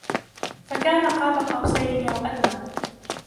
فكان قاب قوسين أو أدنى